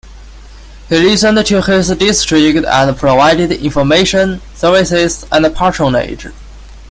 He listened to his district and provided information, services, and patronage.